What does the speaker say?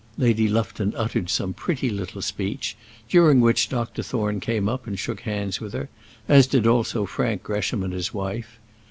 Lady Lufton uttered some pretty little speech, during which Dr. Thorne came up and shook hands with her; as did also Frank Gresham and his wife.